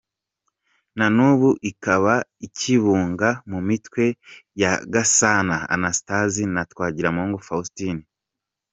Na n’ubu ikaba ikibunga mu mitwe ya Gasana Anastase na Twagiramungu Faustin.